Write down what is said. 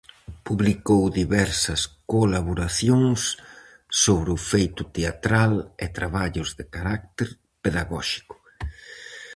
Publicou diversas colaboracións sobre o feito teatral e traballos de carácter pedagóxico.